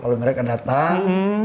kalau mereka datang